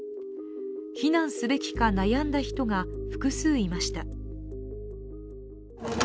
避難すべきか悩んだ人が複数いました。